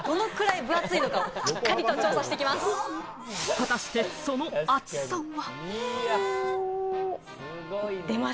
果たしてその厚さは。